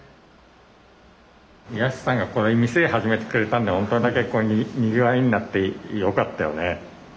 泰さんがこういう店始めてくれたんでほんとにぎわいになってよかったよね。